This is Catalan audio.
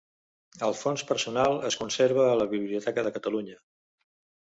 El fons personal es conserva a la Biblioteca de Catalunya.